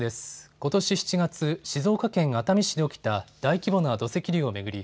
ことし７月、静岡県熱海市で起きた大規模な土石流を巡り